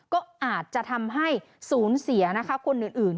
ก็อาจจะทำให้สูญเสียนะคะคนอื่น